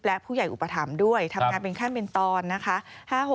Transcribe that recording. และผู้ใหญ่อุปถัมภ์ด้วยทำงานเป็นขั้นเป็นตอนนะคะ